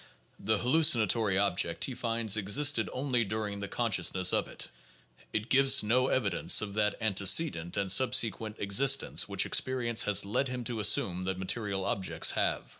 The hallucinatory object, he finds, existed only during the conscious ness of it; it gives no evidence of that antecedent and subsequent existence which experience has led him to assume that material ob jects have.